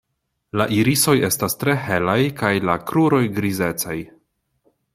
La irisoj estas tre helaj kaj la kruroj grizecaj.